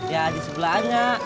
ya disebelah aja